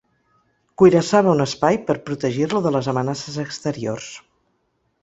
Cuirassava un espai per protegir-lo de les amenaces exteriors.